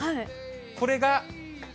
これが。